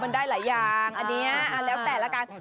มันได้หลายอย่างอันนี้แล้วแต่ละกัน